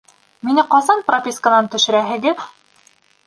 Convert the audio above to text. Мине ҡасан прописканан төшөрәһегеҙ?